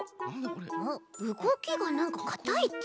うごきがなんかかたいち。